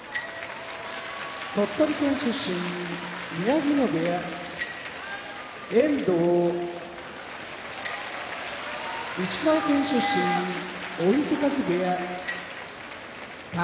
鳥取県出身宮城野部屋遠藤石川県出身追手風部屋宝